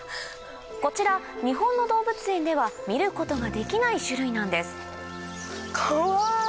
こちら日本の動物園では見ることができない種類なんですかわいい。